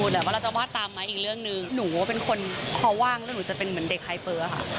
แต่ว่าเราจะว่าตามไหมอีกเรื่องหนึ่งหนูเป็นคนคอว่างแล้วหนูจะเป็นเหมือนเด็กไฮเปอร์ค่ะ